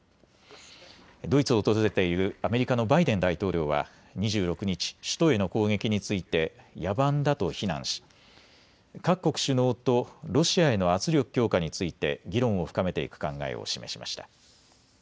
ドイツを訪れているアメリカのバイデン大統領は２６日、首都への攻撃について野蛮だと非難し各国首脳とロシアへの圧力強化について議論を深めていく考えを示しました。